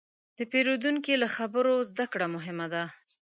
د پیرودونکي له خبرو زدهکړه مهمه ده.